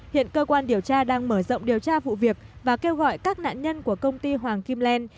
hiện cơ quan điều tra đang mở rộng điều tra vụ việc và kêu gọi các nạn nhân của công ty hoàng kim len